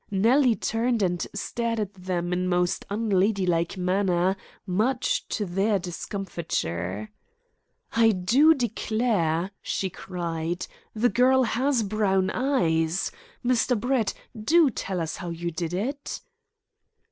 Nellie turned and stared at them in most unladylike manner, much to their discomfiture. "I do declare," she cried, "the girl has brown eyes! Mr. Brett, do tell us how you did it."